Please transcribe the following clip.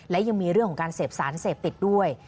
และยังมีเรื่องของการเสพสารเสพติดด้วย